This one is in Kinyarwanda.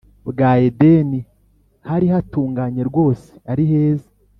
bwa edeni. hari hatunganye rwose, ari heza